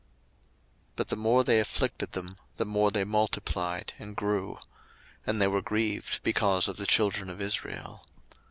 02:001:012 But the more they afflicted them, the more they multiplied and grew. And they were grieved because of the children of Israel.